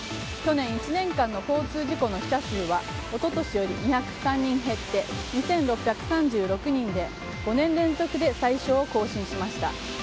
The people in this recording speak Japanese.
去年１年間の交通事故の死者数は一昨年より２０３人減って２６３６人で５年連続で最少を更新しました。